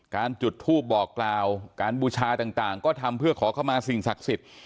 จุดทูปบอกกล่าวการบูชาต่างก็ทำเพื่อขอเข้ามาสิ่งศักดิ์สิทธิ์